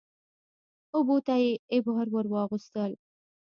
اوبو ته يې عبا ور واغوستل